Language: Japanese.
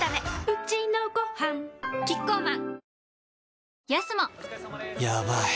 うちのごはんキッコーマン